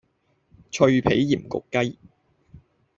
脆皮鹽焗鷄